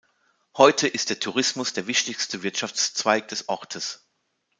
Heute ist der Tourismus der wichtigste Wirtschaftszweig des Ortes.